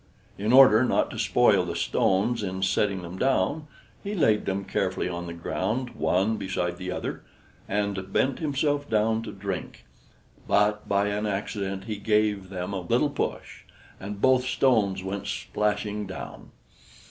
In order not to spoil the stones in setting them down, he laid them carefully on the ground one beside the other, and bent himself down to drink, but by an accident he gave them a little push, and both stones went splashing down.